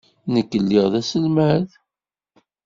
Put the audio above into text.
Nekk lliɣ d aselmad.